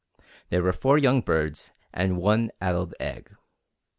There were four young birds and one addled egg.